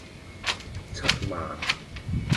七萬